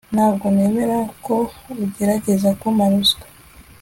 Ntabwo nemera ko ugerageza kumpa ruswa